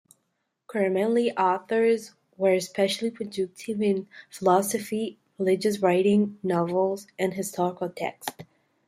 Karamanli authors were especially productive in philosophy, religious writings, novels, and historical texts.